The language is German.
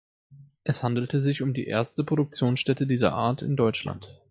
Es handelte sich um die erste Produktionsstätte dieser Art in Deutschland.